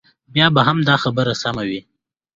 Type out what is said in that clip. بیا به هم دا خبره سمه وي.